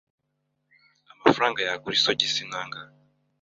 amafaranga yagura isogisi ni angahe